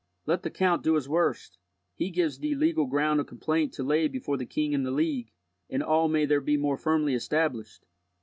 Let the count do his worst; he gives thee legal ground of complaint to lay before the king and the League, and all may there be more firmly established."